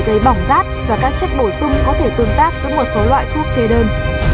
gây bỏng rát và các chất bổ sung có thể tương tác với một số loại thuốc kê đơn